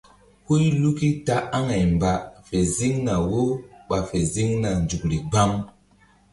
Huy luki ta aŋay mba fe ziŋna wo ɓa fe ziŋna nzukri gbam.